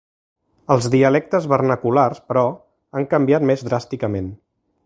Els dialectes vernaculars, però, han canviat més dràsticament.